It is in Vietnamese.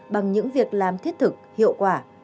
bằng những việc làm thiết thực hiệu quả